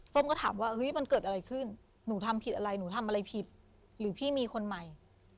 ส้มก็ถามว่าเฮ้ยมันเกิดอะไรขึ้นหนูทำผิดอะไรหนูทำอะไรผิดหรือพี่มีคนใหม่